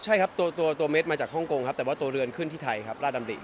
ใช่ครับตัวเม็ดมาจากฮ่องกงครับแต่ว่าตัวเรือนขึ้นที่ไทยครับราชดำริ